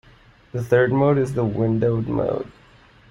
The third mode is the windowed mode.